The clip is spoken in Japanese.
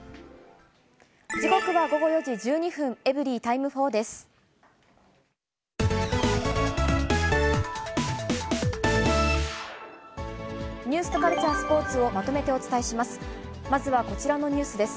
時刻は午後４時１２分、エブリィタイム４です。